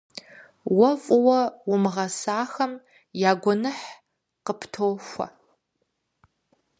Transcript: Уэ фӏыуэ умыгъэсахэм я гуэныхь къыптохуэ.